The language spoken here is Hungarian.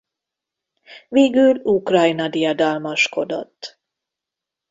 Végül Ukrajna diadalmaskodott.